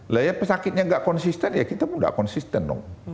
layar pesakitnya nggak konsisten ya kita pun nggak konsisten dong